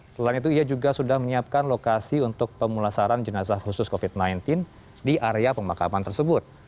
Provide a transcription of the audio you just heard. selain itu ia juga sudah menyiapkan lokasi untuk pemulasaran jenazah khusus covid sembilan belas di area pemakaman tersebut